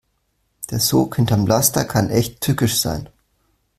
Der Sog hinterm Laster kann echt tückisch sein.